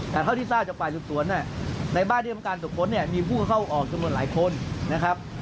แต่เท่าที่ทราบจากฝ่ายสืบสวนในบ้านที่ทำการตรวจค้นเนี่ยมีผู้เข้าออกจำนวนหลายคนนะครับ